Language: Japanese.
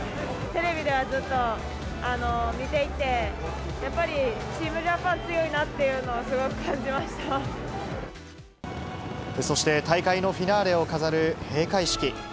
テレビではずっと見ていて、やっぱりチームジャンパン、強いなっていうのをすごく感じまそして、大会のフィナーレを飾る閉会式。